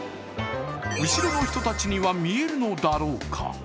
後ろの人たちには見えるのだろうか。